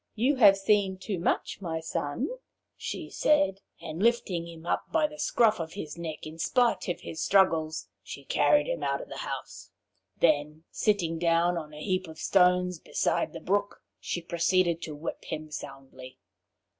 'You have seen too much, my son,' she said, and lifting him up by the scruff of his neck in spite of his struggles, she carried him out of the house. Then, sitting down on a heap of stones beside the brook, she proceeded to whip him soundly.